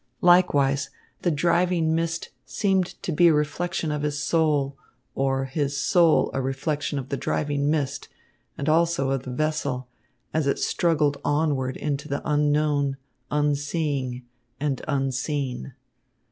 Likewise, the driving mist seemed to be a reflection of his soul; or his soul a reflection of the driving mist and also of the vessel, as it struggled onward into the unknown, unseeing and unseen.